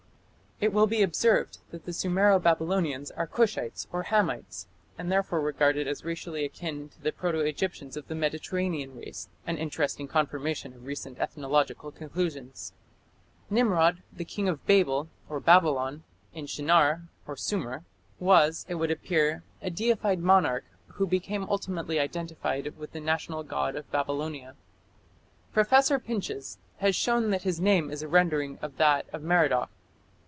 It will be observed that the Sumero Babylonians are Cushites or Hamites, and therefore regarded as racially akin to the proto Egyptians of the Mediterranean race an interesting confirmation of recent ethnological conclusions. Nimrod, the king of Babel (Babylon), in Shinar (Sumer), was, it would appear, a deified monarch who became ultimately identified with the national god of Babylonia. Professor Pinches has shown that his name is a rendering of that of Merodach.